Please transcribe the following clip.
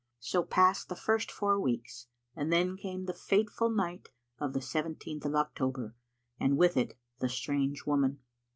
So passed the first four weeks, and then came the fateful night of the seventeenth of October, and with it the strange woman.